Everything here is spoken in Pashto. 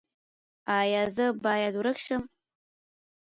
ایا زه باید ورک شم؟